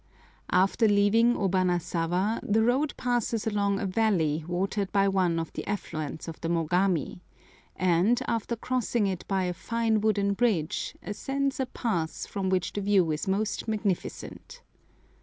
After leaving Obanasawa the road passes along a valley watered by one of the affluents of the Mogami, and, after crossing it by a fine wooden bridge, ascends a pass from which the view is most magnificent.